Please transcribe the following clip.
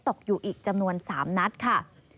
ตกอยู่อีกจำนวน๓นัดค่ะ